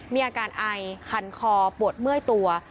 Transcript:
มีอาการไอคันคอปวดเมื่อยตัว